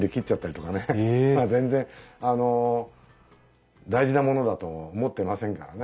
まあ全然あの大事なものだと思ってませんからね。